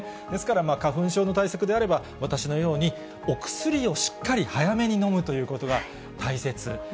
ですから、花粉症の対策であれば、私のようにお薬をしっかり早めに飲むということが、大切。